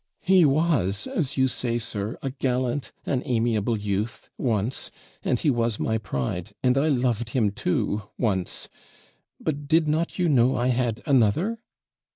'He was, as you say, sir, a gallant, an amiable youth, once and he was my pride, and I loved him, too, once but did not you know I had another?'